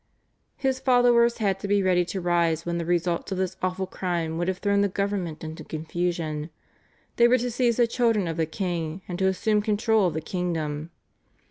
His followers had to be ready to rise when the results of this awful crime would have thrown the government into confusion. They were to seize the children of the king and to assume control of the kingdom.